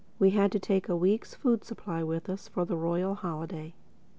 We had to take a week's food supply with us for the royal holiday.